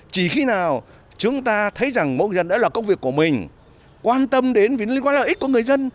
chỉ khi nào chúng ta thấy rằng mỗi người dân đó là công việc của mình quan tâm đến vì nó liên quan đến ít của người dân